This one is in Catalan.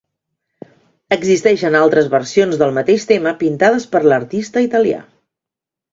Existeixen altres versions del mateix tema pintades per l'artista italià.